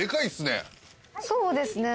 そうですね。